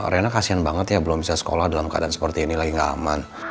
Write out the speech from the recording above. rena kasian banget ya belum bisa sekolah dalam keadaan seperti ini lagi nggak aman